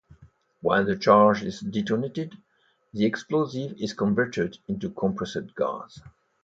When the charge is detonated, the explosive is converted into compressed gas.